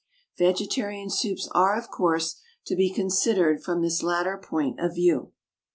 Vegetarian soups are, of course, to be considered from this latter point of view.